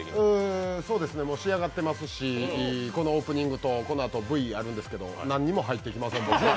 仕上がっていますし、このオープニングとこのあとＶがあるんですけど、何にも入ってきません、僕たちは。